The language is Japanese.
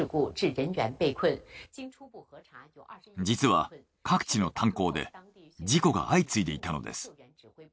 実は各地の炭鉱で事故が相次いでいたのです。